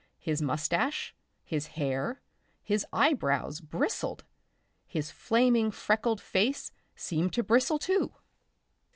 His moustache, his hair, his eyebrows bristled; his flaming freckled face seemed about to bristle too.